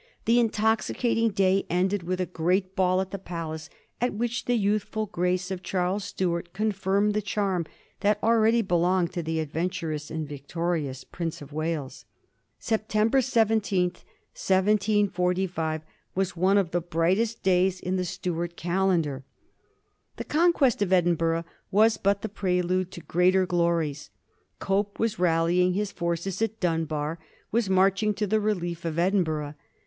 The intoxicating day ended with a great ball at the palace, at which the youthful grace of Charles Stuart confirmed the charm that already belonged to the adventurous and victorious Prince of Wales. September 17, 1745, was one of the brightest days in the Stuart calendar. The conquest of Edinburgh was but the prelude to great er glories. Cope was rallying his forces at Dunbar — was marching to the relief of Edinburgh.